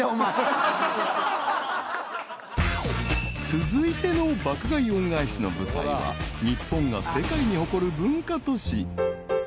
［続いての爆買い恩返しの舞台は日本が世界に誇る文化都市］